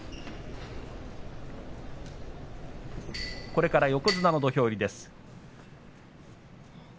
これから横綱の土俵入りです。